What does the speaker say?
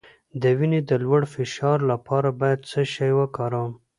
د وینې د لوړ فشار لپاره باید څه شی وکاروم؟